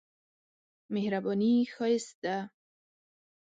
مهرباني ښايست ده.